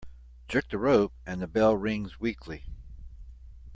Jerk the rope and the bell rings weakly.